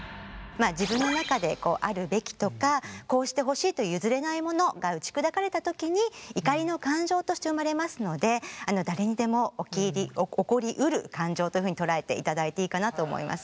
自分の中でこうあるべきとかこうしてほしいという譲れないものが打ち砕かれたときに怒りの感情として生まれますので誰にでも起こりうる感情というふうに捉えていただいていいかなと思います。